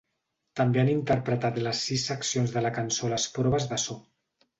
També han interpretat les sis seccions de la cançó a les proves de so.